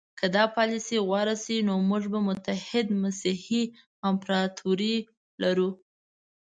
که دا پالیسي غوره شي نو موږ به متحده مسیحي امپراطوري لرو.